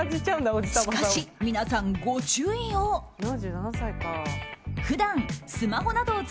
しかし皆さんご注意を。